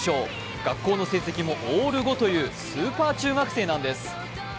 学校の成績もオール５というスーパー中学生なんです。